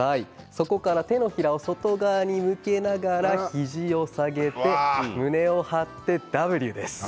そこから手のひらを外側に向けながら肘を下げて胸を張ってＷです。